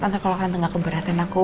tante kalau kan tengah keberatan aku